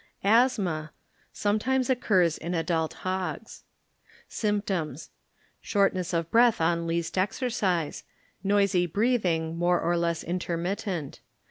Asthma sometimes occurs in adult hogs. Symptoms. ŌĆö Shortness of breath on lease exercise, noisy breathing, more or less intermittent.